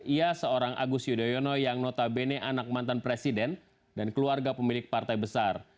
ia seorang agus yudhoyono yang notabene anak mantan presiden dan keluarga pemilik partai besar